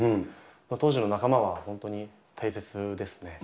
当時の仲間は本当に大切ですね。